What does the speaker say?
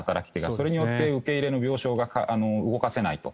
それによって受け入れ側の病床が動かせないと。